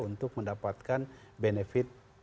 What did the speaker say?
untuk mendapatkan benefit